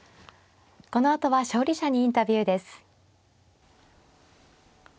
このあとは勝利者にインタビューです。